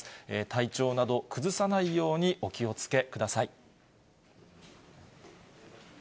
体調など崩さないようにお気をつけください。